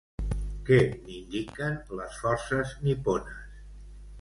Què n'indiquen les forces nipones?